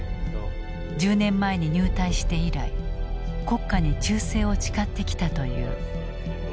１０年前に入隊して以来国家に忠誠を誓ってきたという。